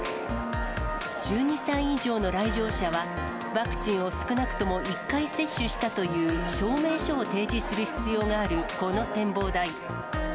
１２歳以上の来場者は、ワクチンを少なくとも１回接種したという証明書を提示する必要があるこの展望台。